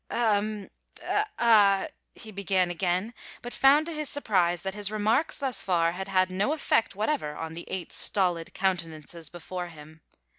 "Um! Ah!" he began again, but found to his surprise that his remarks thus far had had no effect whatever on the eight stolid countenances before him.